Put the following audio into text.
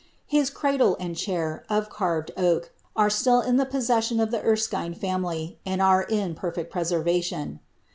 His cradle and chair, of carved oak, are still in the possession of the Erskine ftunily, and are ia perfect preservation.